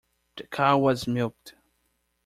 The cow was milked.